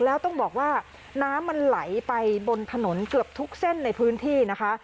แล้วต้องบอกว่าน้ำมันไหลไปบนถนนเกือบทุกเส้นในพื้นที่นะคะ